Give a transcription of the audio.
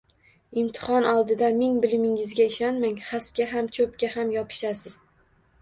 Imtihon oldida ming bilimingizga ishonmang, xasga ham, cho`pga ham yopishasiz